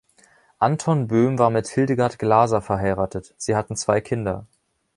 Anton Böhm war mit Hildegard Glaser verheiratet, sie hatten zwei Kinder.